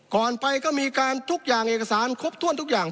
ก่อนไปก็มีการทุกอย่างเอกสารครบถ้วนทุกอย่าง